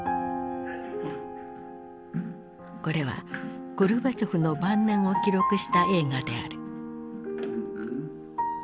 これはゴルバチョフの晩年を記録した映画である。